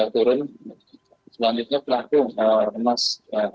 turun selanjutnya pelaku remas